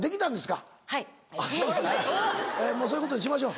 もうそういうことにしましょう。